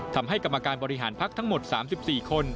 ทำให้กรรมการบริหารพักทั้งหมด๓๔คน